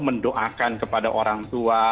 mendoakan kepada orang tua